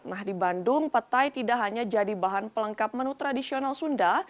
nah di bandung petai tidak hanya jadi bahan pelengkap menu tradisional sunda